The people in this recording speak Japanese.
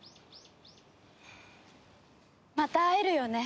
また会えるよね？